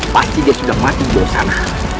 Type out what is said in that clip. pasti dia sudah mati di luar sana